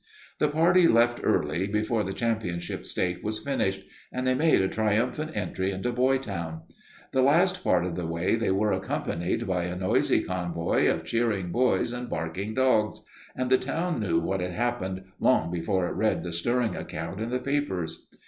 The party left early, before the Championship stake was finished, and they made a triumphal entry into Boytown. The last part of the way they were accompanied by a noisy convoy of cheering boys and barking dogs, and the town knew what had happened long before it read the stirring account in the papers.